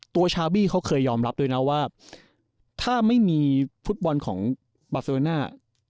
ชาบี้เขาเคยยอมรับด้วยนะว่าถ้าไม่มีฟุตบอลของบาเซโรน่า